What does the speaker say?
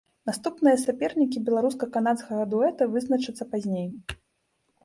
Наступныя сапернікі беларуска-канадскага дуэта вызначацца пазней.